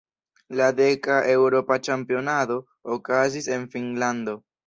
La deka eŭropa ĉampionado okazis en Finnlando.